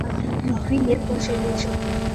В любви нет больше и меньше.